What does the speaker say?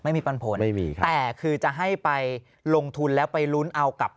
ไม่มีปันผลแต่คือจะให้ไปลงทุนแล้วไปลุ้นเอากับ